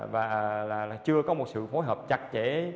và chưa có một sự phối hợp chặt chẽ